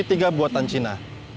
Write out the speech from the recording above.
udara kiwi tiga buatan cina